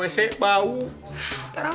sekarang saya yang kebawa dong mulut pak reti